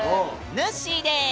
ぬっしーです！